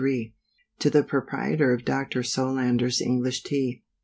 To the Proprietor of Dr. Solander's ENGLISH TEA.